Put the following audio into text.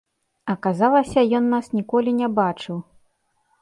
Аказалася, ён нас ніколі не бачыў.